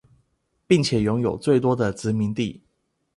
並且擁有最多的殖民地